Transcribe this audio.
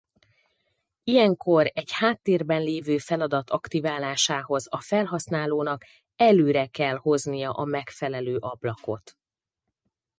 Ilyenkor egy háttérben lévő feladat aktiválásához a felhasználónak előre kell hoznia a megfelelő ablakot.